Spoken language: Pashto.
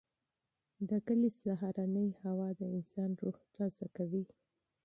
د کلي سهارنۍ هوا د انسان روح تازه کوي.